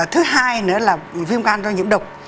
thứ hai nữa là viêm gan do nhiễm độc